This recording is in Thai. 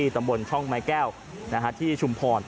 เฮ้ยเฮ้ยเฮ้ยเฮ้ย